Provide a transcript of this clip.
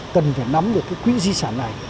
cần phải nắm được cái quỹ di sản này